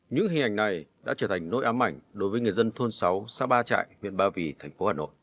những hình ảnh này đã trở thành nỗi ám ảnh đối với người dân thôn sáu xã ba trại huyện ba vì thành phố hà nội